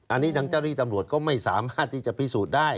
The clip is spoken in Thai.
อันนี้ทางเจ้าที่ตำรวจก็ไม่สามารถที่จะพิสูจน์ได้